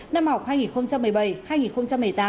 năm học hai nghìn một mươi bảy hai nghìn một mươi tám